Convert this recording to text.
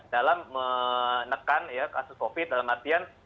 dalam menekan kasus covid dalam artian